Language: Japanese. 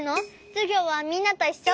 じゅぎょうはみんなといっしょ？